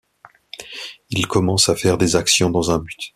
Il commence à faire des actions dans un but.